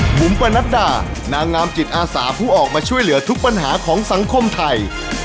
บุ๋มปนัดดานางงามจิตอาสาผู้ออกมาช่วยเหลือทุกปัญหาของสังคมไทย